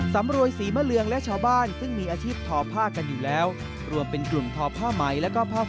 สำรวยสีมะเหลืองและชาวบ้านซึ่งมีอาชีพทอผ้ากันอยู่แล้ว